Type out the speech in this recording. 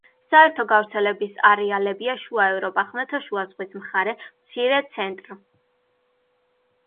საერთო გავრცელების არეალებია შუა ევროპა, ხმელთაშუა ზღვის მხარე; მცირე, ცენტრ.